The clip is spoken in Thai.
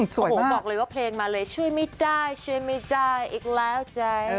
โอ้โหบอกเลยว่าเพลงมาเลยช่วยไม่ได้ช่วยไม่ได้อีกแล้วใจ